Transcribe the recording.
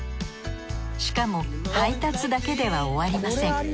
しかも配達だけでは終わりません。